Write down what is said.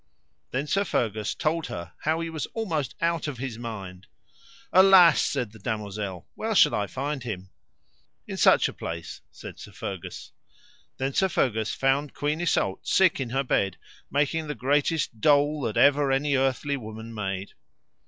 Then Sir Fergus told her how he was almost out of his mind. Alas, said the damosel, where shall I find him? In such a place, said Sir Fergus. Then Sir Fergus found Queen Isoud sick in her bed, making the greatest dole that ever any earthly woman made.